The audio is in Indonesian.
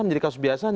menjadi kasus biasa